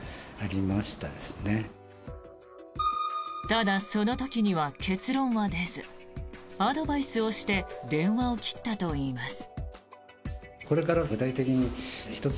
ただその時には結論は出ずアドバイスをして電話を切ったといいます。